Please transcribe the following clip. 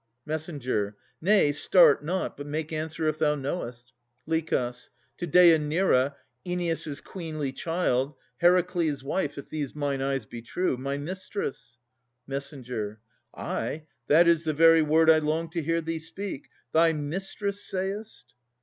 MESS. Nay, start not, but make answer if thou knowest. LICH. To Dêanira, Oeneus' queenly child, Heracles' wife, if these mine eyes be true, My mistress. MESS. Ay, that is the very word I longed to hear thee speak. Thy mistress, sayest?